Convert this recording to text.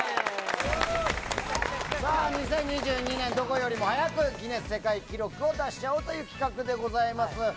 さあ、２０２２年、どこよりも早くギネス世界記録を出しちゃおうという企画でございます。